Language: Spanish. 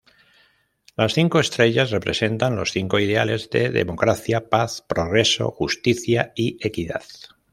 Las cinco estrellas representan los cinco ideales de democracia, paz, progreso, justicia y equidad.